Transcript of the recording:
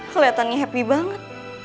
keliatannya happy banget